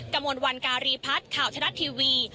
กำลังวันการีพัฒน์ข่าวธนัดทีวี